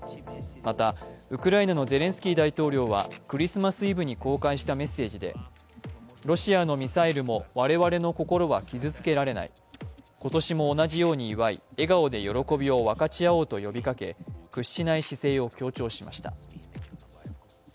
またウクライナのゼレンスキー大統領はクリスマスイブに公開したメッセージで、ロシアのミサイルも我々の心は傷つけられない、今年も同じように祝い、笑顔で喜びを分かち合おうと呼びかけ屈しない姿勢を強調しました。